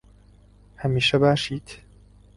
هەمیشە باشیت.